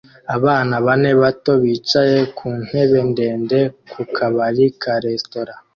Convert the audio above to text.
Abana bane bato bicaye ku ntebe ndende ku kabari ka resitora